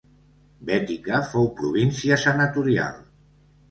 Bètica fou província senatorial.